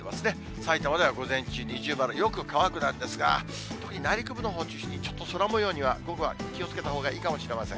さいたまでは午前中、二重丸、よく乾くなんですが、特に内陸部のほうを中心に、ちょっと空もようには午後は気をつけたほうがいいかもしれません。